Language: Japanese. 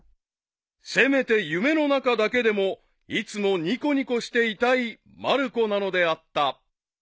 ［せめて夢の中だけでもいつもニコニコしていたいまる子なのであった］